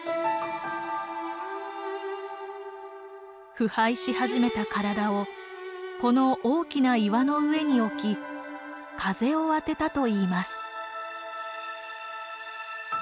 腐敗し始めた体をこの大きな岩の上に置き風を当てたといいます。